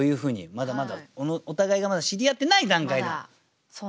まだまだお互いがまだ知り合ってない段階だっていうね。